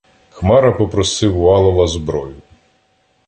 Хмара попросив у Алова зброю.